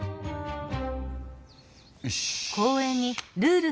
よし！